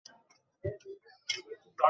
আমি জানি ও আমাদেরকে মারার চেষ্টা করেছে!